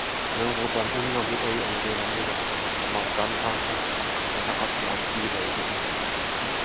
Euroopan unioni ei ole vielä muodostanut omaa kantaansa, vaikka tämä asia on kiireellinen.